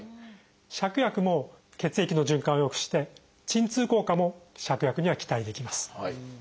芍薬も血液の循環をよくして鎮痛効果も芍薬には期待できます。